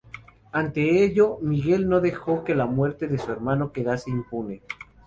Ante ello, Miguel no dejó que la muerte de su hermano quedase impune.